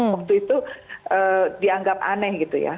waktu itu dianggap aneh gitu ya